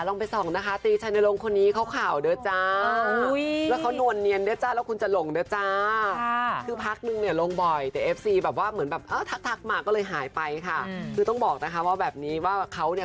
เนี่ยตอนนี้นะคะลงไอจีอีกครั้ง